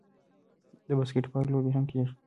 د باسکیټبال لوبې هم کیږي.